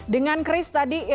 dengan chris tadi